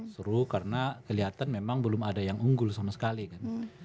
seru karena kelihatan memang belum ada yang unggul sama sekali kan